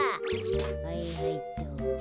はいはいっと。